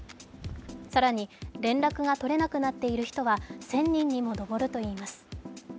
更に、連絡が取れなくなっている人は１０００人にも上るといいます。